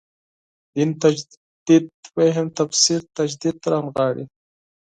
دین تجدید فهم تفسیر تجدید رانغاړي.